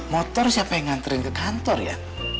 motor siapa yang nganterin ke kantor ya